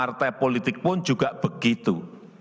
partai politik pun juga begitu